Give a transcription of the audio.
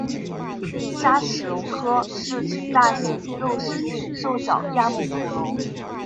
鲨齿龙科是群大型肉食性兽脚亚目恐龙。